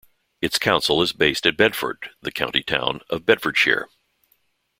Its council is based at Bedford, the county town of Bedfordshire.